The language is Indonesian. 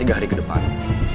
sampe tiga hari kedepan